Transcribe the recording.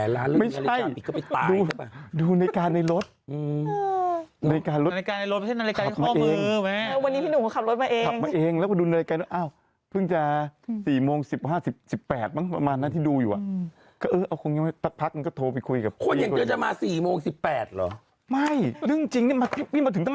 นาฬิกาในรถมันไม่ใช่นาฬิกาในข้อมือแมะ